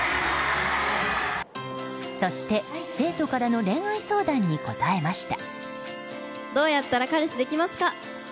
そして、生徒からの恋愛相談に答えました。